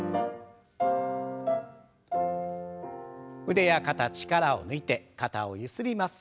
腕や肩力を抜いて肩をゆすります。